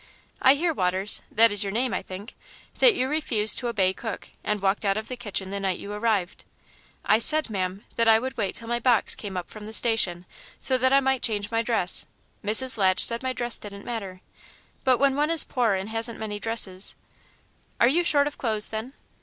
"I hear, Waters that is your name, I think that you refused to obey cook, and walked out of the kitchen the night you arrived." "I said, ma'am, that I would wait till my box came up from the station, so that I might change my dress. Mrs. Latch said my dress didn't matter, but when one is poor and hasn't many dresses " "Are you short of clothes, then?"